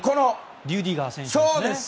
リュディガー選手ですね。